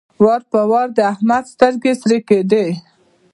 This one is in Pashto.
وار په وار د احمد سترګې سرې کېدې.